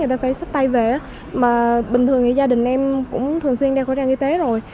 mình thích tay vẽ mà bình thường thì gia đình em cũng thường xuyên đeo khẩu trang y tế rồi